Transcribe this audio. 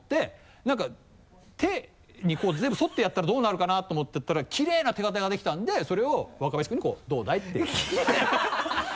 何か手にこう全部沿ってやったらどうなるかなと思ってやったらきれいな手形ができたのでそれを若林君にこう「どうだい？」って。ハハハ